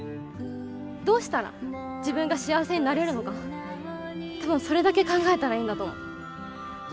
どうしたら自分が幸せになれるのか多分それだけ考えたらいいんだと思う。